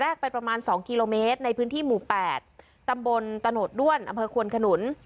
แรกเป็นประมาณ๒กิโลเมตรในพื้นที่หมู่๘ตำบลตด้วนอควนขนุน